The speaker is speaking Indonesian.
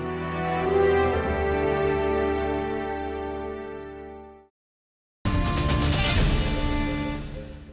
yang pettyedahan dari kandungan